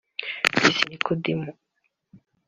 Peace Nicodem